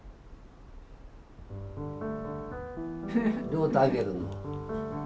両手上げるの？